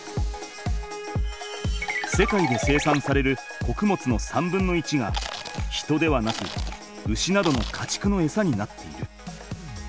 世界で生産されるこくもつの３分の１が人ではなく牛などのかちくのエサになっている。